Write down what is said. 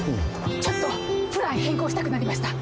ちょっとプラン変更したくなりました。